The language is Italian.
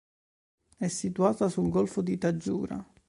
È situata sul Golfo di Tagiura.